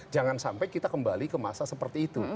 jangan sampai kita kembali ke masa seperti itu